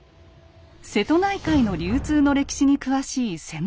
瀬戸内海の流通の歴史に詳しい専門家に伺いました。